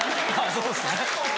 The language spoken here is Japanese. そうですね。